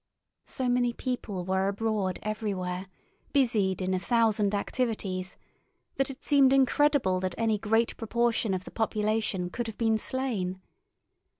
So many people were abroad everywhere, busied in a thousand activities, that it seemed incredible that any great proportion of the population could have been slain.